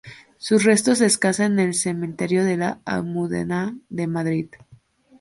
Sus restos descansan en el Cementerio de la Almudena de Madrid.